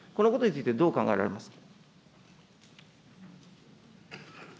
このことについてどう考えていますか。